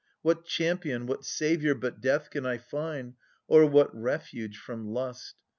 What champion, whatj saviour but death can I find, or what refuge from lust